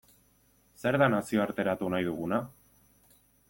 Zer da nazioarteratu nahi duguna?